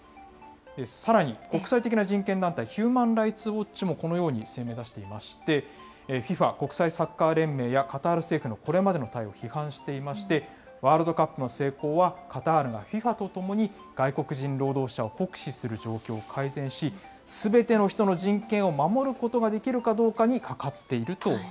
さらに国際的な人権団体、ヒューマン・ライツ・ウォッチもこのように声明を出していまして、ＦＩＦＡ・国際サッカー連盟やカタール政府のこれまでの対応を批判していまして、ワールドカップの成功は、カタールがＦＩＦＡとともに、外国人労働者を酷使する状況を改善し、すべての人の人権を守ることができるかどうかにかかっ